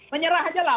menyerah aja lah